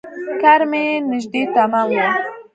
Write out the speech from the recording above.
کار مې نژدې تمام و.